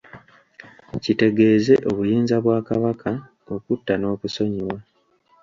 Kitegeeze obuyinza bwa Kabaka okutta n'okusonyiwa.